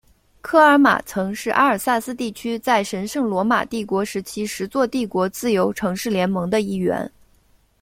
科尔马曾是阿尔萨斯地区在神圣罗马帝国时期十座帝国自由城市联盟的一员。